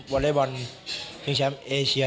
อเล็กบอลชิงแชมป์เอเชีย